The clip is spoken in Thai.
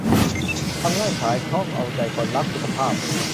ทำง่ายขายคล่องเอาใจคนรักสุขภาพ